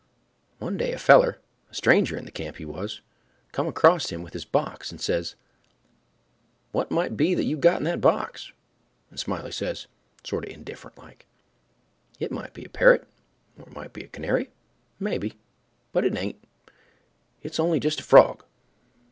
One day a feller—a stranger in the camp, he was—come acrost him with his box, and says: "What might be that you've got in the box?" And Smiley says, sorter indifferent like, "It might be a parrot, or it might be a canary, maybe, but it ain't—it's only just a frog."